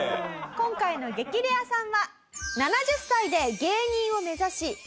今回の激レアさんは。